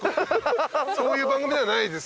そういう番組ではないです。